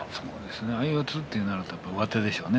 相四つということになると上手でしょうね。